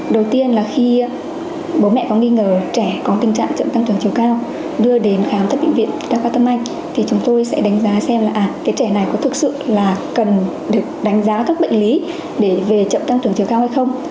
đầu tiên là khi bố mẹ có nghi ngờ trẻ có tình trạng chậm tăng trưởng chiều cao đưa đến khám tất bệnh viện đa khoa tâm anh thì chúng tôi sẽ đánh giá xem là cái trẻ này có thực sự là cần được đánh giá các bệnh lý để về chậm tăng trưởng chiều cao hay không